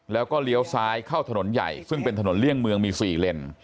แล้วก็เลี้ยวซ้ายเข้าถนนใหญ่ซึ่งเป็นถนนเลี่ยงเมืองมี๔เลน